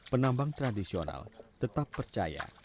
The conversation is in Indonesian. penambang tradisional tetap percaya